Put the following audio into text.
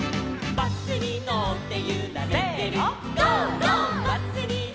「バスにのってゆられてる」せの！